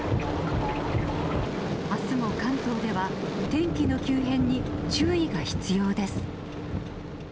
あすも関東では、天気の急変に注意が必要です。